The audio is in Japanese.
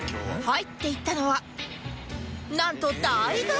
入っていったのはなんと大学！